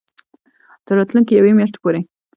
تر راتلونکې یوې میاشتې پورې